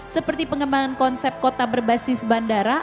seperti pengembangan konsep kota berbasis bandara